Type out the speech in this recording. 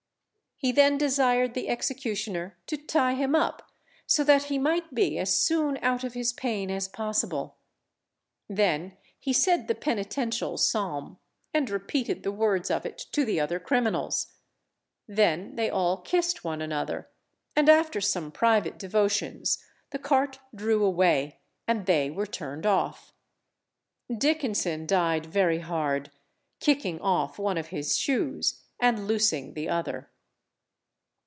He then desired the executioner to tie him up so that he might be as soon out of his pain as possible; then he said the Penitential Psalm, and repeated the words of it to the other criminals. Then they all kissed one another, and after some private devotions the cart drew away and they were turned off. Dickenson died very hard, kicking off one of his shoes, and loosing the other.